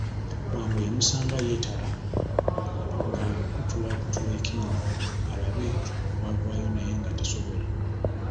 Wango yamusanga yeetala ng'atakulatakula ekinnya alabe bw'avaayo naye nga tasobola.